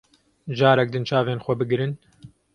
Carek din çavên xwe bigirin.